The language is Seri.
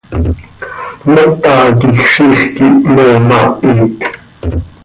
Mata quij ziix quih me maahit.